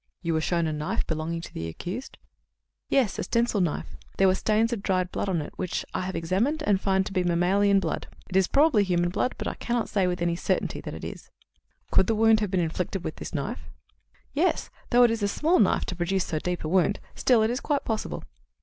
"You were shown a knife belonging to the accused?" "Yes; a stencil knife. There were stains of dried blood on it which I have examined and find to be mammalian blood. It is probably human blood, but I cannot say with certainty that it is." "Could the wound have been inflicted with this knife?" "Yes, though it is a small knife to produce so deep a wound. Still, it is quite possible."